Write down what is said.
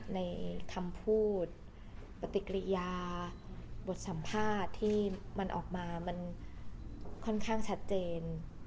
ในคำพูดปฏิกิริยาบทสัมภาษณ์ที่มันออกมามันค่อนข้างชัดเจน